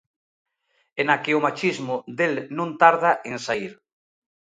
E na que o machismo del non tarda en saír.